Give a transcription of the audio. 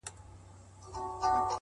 چپ سه چـــپ ســــه نور مــه ژاړه_